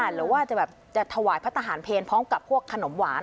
หรือว่าจะแบบจะถวายพระทหารเพลพร้อมกับพวกขนมหวาน